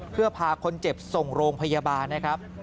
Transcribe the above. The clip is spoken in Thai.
เพื่อพาคนเจ็บส่งโรงพยาบาลนะครับ